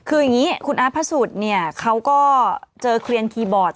คืออย่างนี้คุณอาร์ตพระสุทธิ์เนี่ยเขาก็เจอเคลียนคีย์บอร์ด